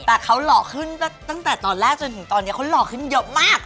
แต่เขาหล่อขึ้นตั้งแต่ตอนแรกจนถึงตอนนี้เขาหล่อขึ้นเยอะมาก